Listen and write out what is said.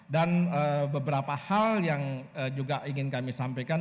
dan beberapa hal yang juga ingin kami sampaikan